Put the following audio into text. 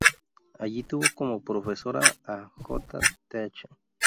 Allí tuvo como profesores a J. Th.